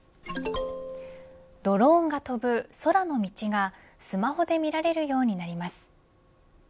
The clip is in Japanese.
ドローンが飛ぶ空の道がスマホで見られるようになります。